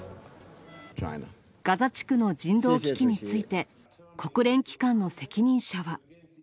ガザ地区の人道危機について、国連機関の責任者は。